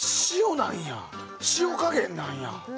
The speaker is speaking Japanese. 塩加減なんや。